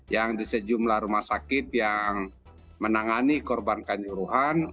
yang di sejumlah rumah sakit yang menangani korbankan juruhan untuk